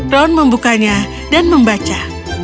ron membukanya dan membaca